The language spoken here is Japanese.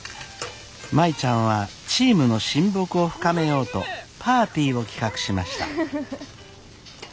舞ちゃんはチームの親睦を深めようとパーティーを企画しました。